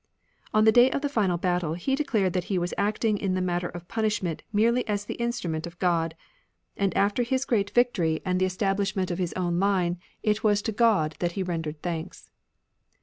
On the day of the final battle he declared that he was acting in the matter of punishment merely as the instrument of God ; and after his great victory 12 THE ANCIENT FAITH and the establishment of his own line, it was to God that he rendered thanks.